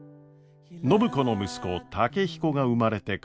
暢子の息子健彦が生まれてから４年。